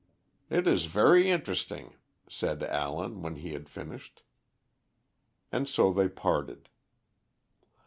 "It is very interesting," said Allen, when he had finished. And so they parted.